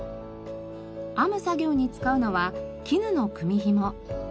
編む作業に使うのは絹の組紐。